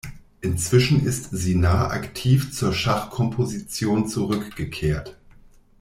Inzwischen ist Sinar aktiv zur Schachkomposition zurückgekehrt.